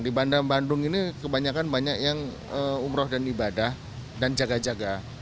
di bandung bandung ini kebanyakan banyak yang umroh dan ibadah dan jaga jaga